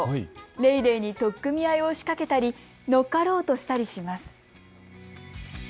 レイレイに取っ組み合いを仕掛けたり乗っかろうとしたりします。